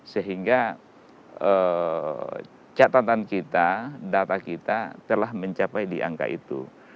sehingga catatan kita data kita telah mencapai di angka itu